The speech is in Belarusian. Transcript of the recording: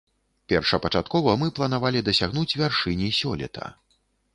Першапачаткова мы планавалі дасягнуць вяршыні сёлета.